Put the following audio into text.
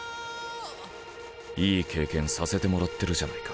いい経験させてもらってるじゃないか。